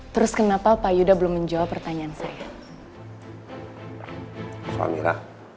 terus kenapa pak yuda belum menjawab pertanyaan saya